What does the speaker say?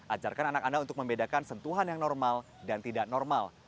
ajarkan anak anda untuk membedakan sentuhan yang normal dan tidak normal